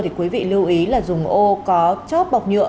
thì quý vị lưu ý là dùng ô có chóp bọc nhựa